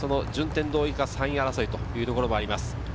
順天堂、以下３位争いということもあります。